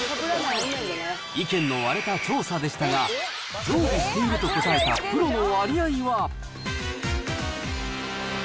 意見の割れた調査でしたが、常備していると答えたプロの割合は？